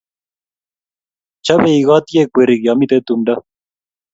Chobei kotiek werik ya mito tumdo